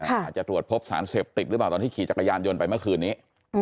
อาจจะตรวจพบสารเสพติดหรือเปล่าตอนที่ขี่จักรยานยนต์ไปเมื่อคืนนี้